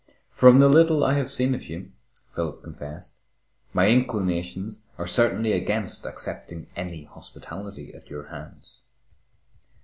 "From the little I have seen of you," Philip confessed, "my inclinations are certainly against accepting any hospitality at your hands."